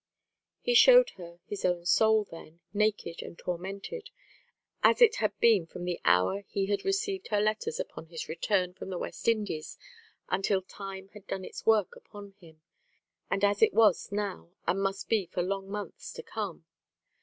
He showed her his own soul then, naked and tormented, as it had been from the hour he had received her letters upon his return from the West Indies until Time had done its work upon him, and as it was now and must be for long months to come.